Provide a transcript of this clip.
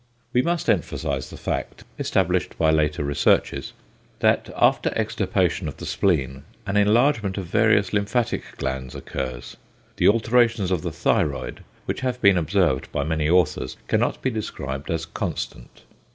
We must emphasise the fact, established by later researches, that after extirpation of the spleen, an enlargement of various lymphatic glands occurs. The alterations of the thyroid, which have been observed by many authors, cannot be described as constant.